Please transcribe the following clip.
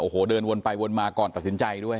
โอ้โหเดินวนไปวนมาก่อนตัดสินใจด้วย